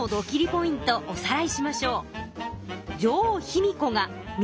ポイントおさらいしましょう。